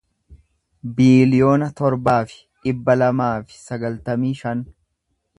biiliyoona torbaa fi dhibba lamaa fi sagaltamii shan